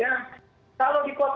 mungkin di jakarta kondisinya beda